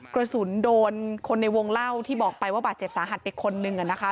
กระสุนโดนคนในวงเล่าที่บอกไปว่าบาดเจ็บสาหัสไปคนนึงนะคะ